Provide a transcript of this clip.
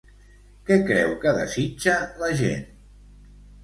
Què creu que desitja la gent?